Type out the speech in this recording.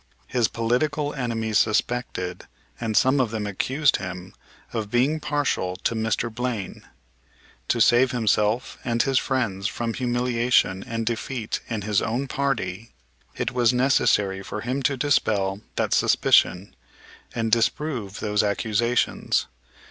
His political enemies suspected and some of them accused him of being partial to Mr. Blaine. To save himself and his friends from humiliation and defeat in his own party it was necessary for him to dispel that suspicion, and disprove those accusations.